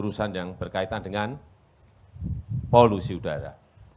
urusan yang berkaitan dengan polusi udara